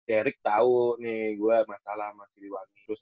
erik tau nih gue masalah sama kiri wang sus